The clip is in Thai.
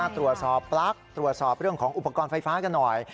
ตรวจสอบปลั๊กตรวจสอบเรื่องของอุปกรณ์ไฟฟ้ากันหน่อย